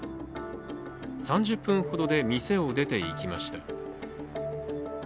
３０分ほどで店を出て行きました。